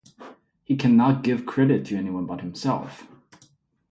He cannot give credit to anyone but himself.